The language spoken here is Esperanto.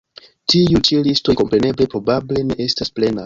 Tiuj ĉi listoj kompreneble probable ne estas plenaj.